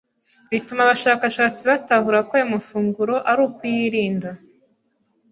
bituma abashakashatsi batahura ko ayo mafunguro ari ukuyirinda